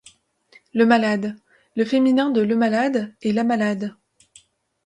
Le malade : Le féminin de "le malade" est "la malade".